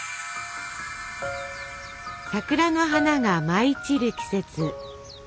桜の花が舞い散る季節。